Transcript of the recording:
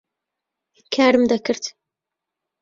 کارم دەکرد.